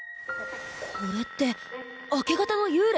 これって明け方の幽霊？